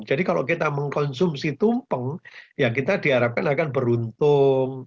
jadi kalau kita mengkonsumsi tumpeng ya kita diharapkan akan beruntung